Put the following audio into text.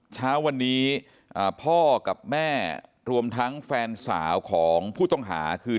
เช้าวันนี้พ่อกับแม่รวมทั้งแฟนสาวของผู้ต้องหาคือ